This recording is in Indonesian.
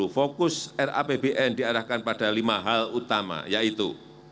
fokus rapbn diarahkan pada lima hal utama yaitu